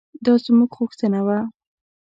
دا زموږ غوښتنه وه.